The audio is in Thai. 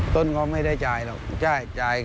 ต้นก็ไม่ได้จ่ายหรอกจ่ายแค่นี้